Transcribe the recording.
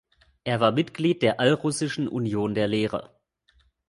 Er war Mitglied der Allrussischen Union der Lehrer.